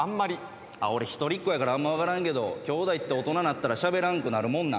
俺一人っ子やからあんま分からんけどきょうだいって大人なったらしゃべらんくなるもんなん？